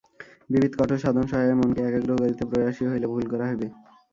বিবিধ কঠোর সাধন-সহায়ে মনকে একাগ্র করিতে প্রয়াসী হইলে ভুল করা হইবে।